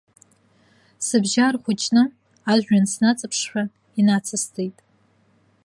Сыбжьы аархәыҷны, ажәҩан снаҵаԥшшәа, инацысҵеит.